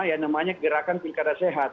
yang namanya gerakan pilkada sehat